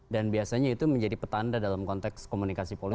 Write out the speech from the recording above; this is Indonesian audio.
dan biasanya itu menjadi petanda dalam konteks komunikasi politik